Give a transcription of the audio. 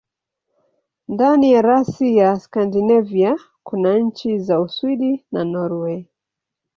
Ndani ya rasi ya Skandinavia kuna nchi za Uswidi na Norwei.